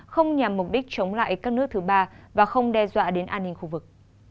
không nhằm mục đích chống lại các nước thứ ba và không đe dọa đến an ninh khu vực